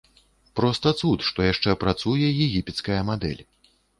Проста цуд, што яшчэ працуе егіпецкая мадэль.